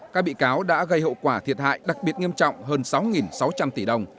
các bị cáo đã gây hậu quả thiệt hại đặc biệt nghiêm trọng hơn sáu sáu trăm linh tỷ đồng